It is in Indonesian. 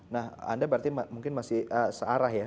nah anda berarti mungkin masih searah ya